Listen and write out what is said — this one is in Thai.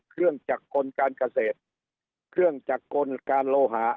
เครื่องจักรกลการเกษตรเครื่องจักรกลการโลหะ